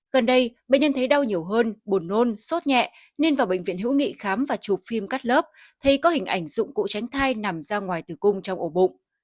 gần đây bệnh nhân thấy đau nhiều hơn buồn nôn sốt nhẹ nên vào bệnh viện hữu nghị khám và chụp phim cắt lớp thấy có hình ảnh dụng cụ tránh thai nằm ra ngoài tử cung trong ổ bụng